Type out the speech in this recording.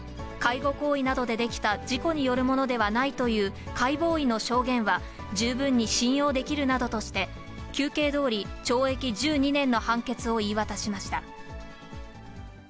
介護行為などで出来た事故によるものではないという解剖医の証言は、十分に信用できるなどとして、求刑どおり懲役１２年の判決を言い渡しました。